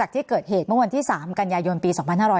ที่เกิดเหตุเมื่อวันที่๓กันยายนปี๒๕๕๙